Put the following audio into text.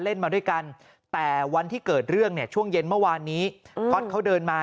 มาด้วยกันแต่วันที่เกิดเรื่องเนี่ยช่วงเย็นเมื่อวานนี้ก๊อตเขาเดินมา